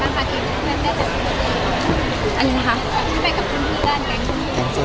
ว่ากุงกันแล้วนัดหันค่ะ